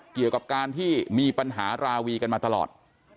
เกี่ยวกับการที่มีปัญหาราวีกันมาตลอด